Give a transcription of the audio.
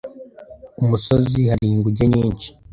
Umusozi hari inguge nyinshi.